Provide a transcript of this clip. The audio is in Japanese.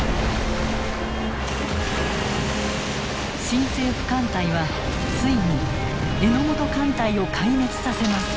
新政府艦隊はついに榎本艦隊を壊滅させます。